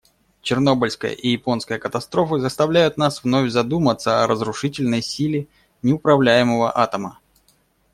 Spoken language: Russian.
Чернобыльская и японская катастрофы заставляют нас вновь задуматься о разрушительной силе неуправляемого атома.